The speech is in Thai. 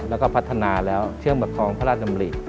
แล้วก็พัฒนาแล้วเชื่อมประคองพระราชดำริ